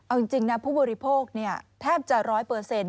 เอาจริงนะผู้บริโภคแทบจะร้อยเปอร์เซ็นต